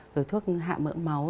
rồi thuốc hạ mỡ máu